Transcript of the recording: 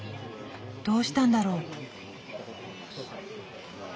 どうしたんだろう？